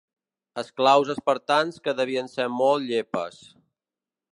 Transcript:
Esclaus espartans que devien ser molt llepes.